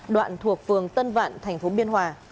đoạn thuộc phường tân vạn tp biên hòa